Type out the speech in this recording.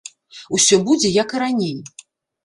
Усё будзе, як і раней.